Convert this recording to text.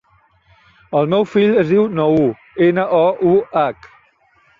El meu fill es diu Nouh: ena, o, u, hac.